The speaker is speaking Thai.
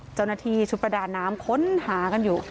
เจ้าหน้าที่ชุดประดาน้ำค้นหากันอยู่